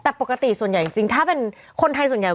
แต่ปกติส่วนใหญ่จริงถ้าเป็นคนไทยส่วนใหญ่